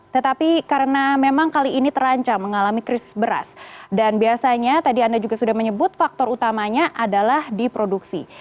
tetapi karena memang kali ini terancam mengalami krisis beras dan biasanya tadi anda juga sudah menyebut faktor utamanya adalah di produksi